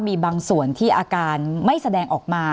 มีบางส่วนที่อาการไม่แสดงออกมา